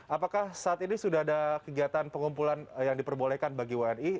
apakah saat ini sudah ada kegiatan pengumpulan yang diperbolehkan bagi wni